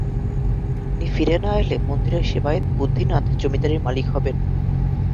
তিনি ফিরে না এলে মন্দিরের সেবায়েত বুদ্ধিনাথ জমিদারির মালিক হবেন।